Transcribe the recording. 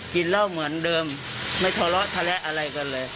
กินเหล้าเหมือนเดิมไม่ทะเลาะทะเลาะอะไรกันเลย